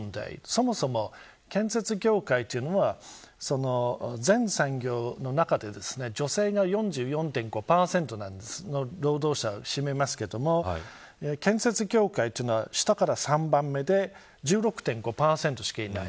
そもそも建設業界というのは全産業の中で女性が４４．５％を占めますが建設業界というのは下から３番目で１６．５％しかいない。